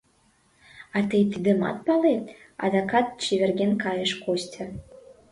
— А тый тидымат палет! — адакат чеверген кайыш Костя.